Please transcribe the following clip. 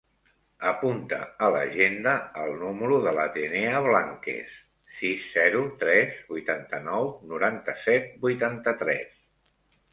Apunta a l'agenda el número de l'Atenea Blanquez: sis, zero, tres, vuitanta-nou, noranta-set, vuitanta-tres.